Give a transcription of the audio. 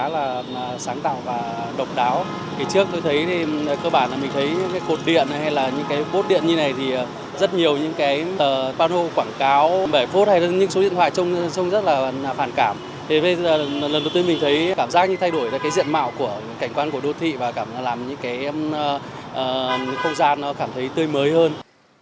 lần đầu tiên mình thấy cảm giác như thay đổi ra cái diện mạo của cảnh quan của đô thị và cảm giác làm những cái không gian nó cảm thấy tươi mới hơn